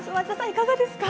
いかがですか？